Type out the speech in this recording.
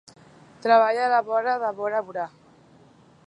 Treballa a la vora de Bora Bora.